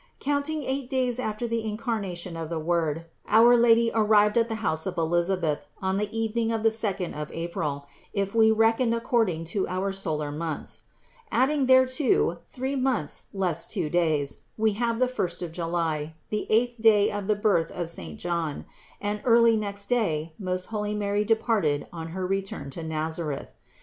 Counting eight days after the incarna tion of the Word, our Lady arrived at the house of Elisabeth on the evening of the second of April, if we reckon according to our solar months; adding thereto three months less two days, we have the first of July, the eighth day of the birth of saint John, and early next day most holy Mary departed on her return to Nazareth.